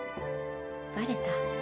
バレた？